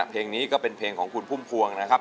เพลงนี้ก็เป็นเพลงของคุณพุ่มพวงนะครับ